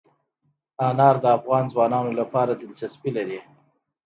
انار د افغان ځوانانو لپاره دلچسپي لري.